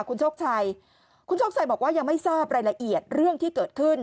คุณโชคชัยคุณโชคชัยบอกว่ายังไม่ทราบรายละเอียดเรื่องที่เกิดขึ้น